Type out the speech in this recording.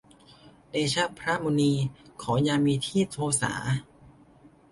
เดชะพระมุนี ขออย่ามีที่โทษา